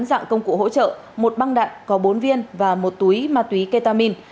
dạng công cụ hỗ trợ một băng đạn có bốn viên và một túi ma túy ketamine